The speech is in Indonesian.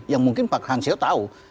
yang mungkin pak han xeo tahu